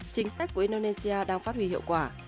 chính sách của indonesia đang phát huy hiệu quả